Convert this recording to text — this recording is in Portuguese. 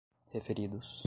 referidos